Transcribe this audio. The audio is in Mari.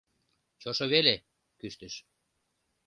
— Чошо веле! — кӱштыш.